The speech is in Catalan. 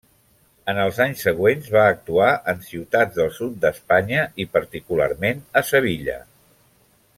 En els anys següents va actuar en ciutats del sud d'Espanya i particularment a Sevilla.